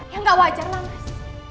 ya nggak wajar lah mas